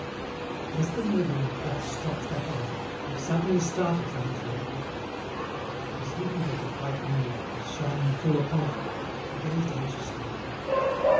As the neighbouring clock struck the half hour, he suddenly started from his reverie. Perceiving that the white moonlight was shining full upon him, he gazed anxiously ahead.